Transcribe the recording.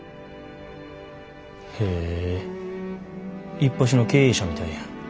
へえいっぱしの経営者みたいやん。